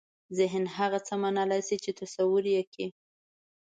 ذهن هغه څه منلای شي چې تصور یې کړي.